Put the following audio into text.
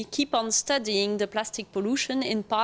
kami mengundang sekolah di luar sana